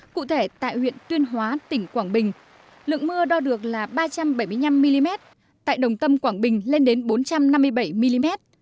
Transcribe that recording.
cụ thể tại huyện tuyên hóa tỉnh quảng bình lượng mưa đo được là ba trăm bảy mươi năm mm tại đồng tâm quảng bình lên đến bốn trăm năm mươi bảy mm